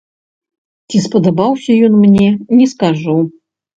Ці спадабаўся ён мне, не скажу.